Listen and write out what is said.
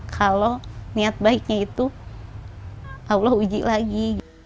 kalau niat baiknya itu allah uji lagi